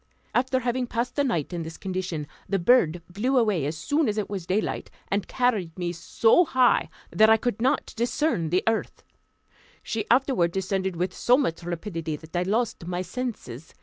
After having passed the night in this condition, the bird flew away as soon as it was daylight, and carried me so high, that I could not discern the earth; she afterward descended with so much rapidity that I lost my senses.